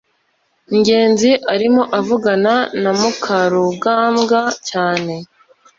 ngenzi arimo avugana na mukarugambwa cyane